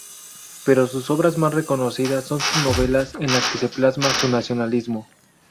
Pero sus obras más reconocidas son sus novelas en las que plasma su nacionalismo.